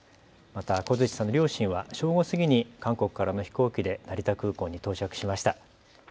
また小槌さんの両親は正午過ぎに韓国からの飛行機で成田空港に到着しました。